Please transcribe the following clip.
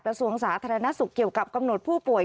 กระทรวงสาธารณสุขเกี่ยวกับกำหนดผู้ป่วย